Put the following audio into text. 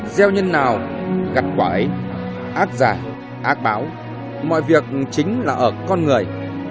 gieo nhân nào gặt quả ấy ác giả ác báo mọi việc chính là ở con người